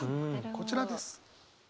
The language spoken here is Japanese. こちらです。